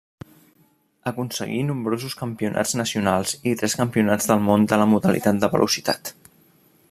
Aconseguí nombrosos campionats nacionals i tres campionats del món de la modalitat de velocitat.